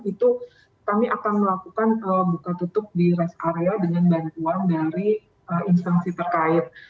itu kami akan melakukan buka tutup di rest area dengan bantuan dari instansi terkait